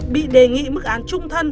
bị đề nghị mức án trung thân